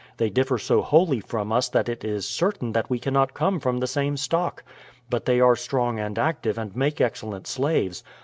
They differ so wholly from us that it is certain that we cannot come from the same stock. But they are strong and active and make excellent slaves.